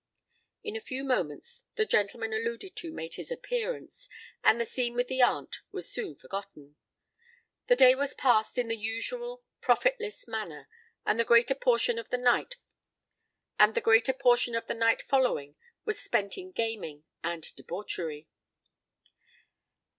In a few moments the gentleman alluded to made his appearance; and the scene with the aunt was soon forgotten. The day was passed in the usual profitless manner; and the greater portion of the night following was spent in gaming and debauchery.